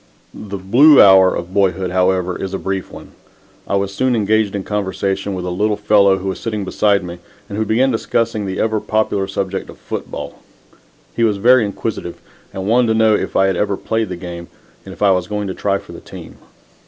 The "blue hour" of boyhood, however, is a brief one. I was soon engaged in conversation with a little fellow who was sitting beside me and who began discussing the ever popular subject of football. He was very inquisitive and wanted to know if I had ever played the game, and if I was going to try for the team.